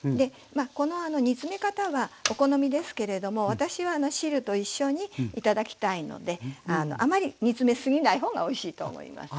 この煮詰め方はお好みですけれども私は汁と一緒に頂きたいのであまり煮詰め過ぎない方がおいしいと思います。